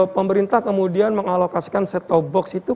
pemerintah kemudian mengalokasikan set top box itu